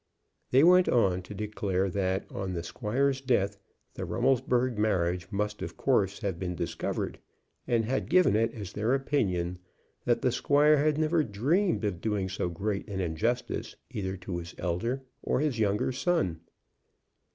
They went on to declare that on the squire's death the Rummelsburg marriage must of course have been discovered, and had given it as their opinion that the squire had never dreamed of doing so great an injustice either to his elder or his younger son.